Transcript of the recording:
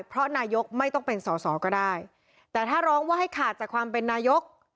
เพราะนายกไม่ต้องเป็นสอสอก็ได้แต่ถ้าร้องว่าให้ขาดจากความเป็นนายก